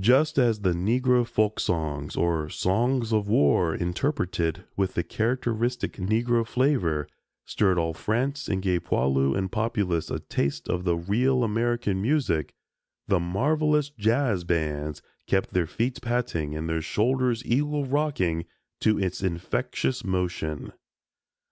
Just as the Negro folk songs or songs of war, interpreted with the characteristic Negro flavor stirred all France and gave poilu and populace a taste of the real American music, the marvelous "jazz bands" kept their feet patting and their shoulders "eagle rocking" to its infectious motion.